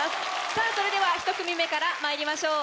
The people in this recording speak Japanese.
さぁそれでは１組目からまいりましょう。